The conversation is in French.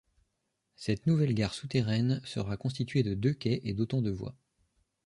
Cette nouvelle gare souterraine sera constituée de deux quais et d'autant de voies.